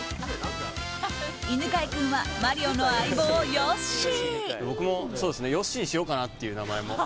犬飼君はマリオの相棒、ヨッシー。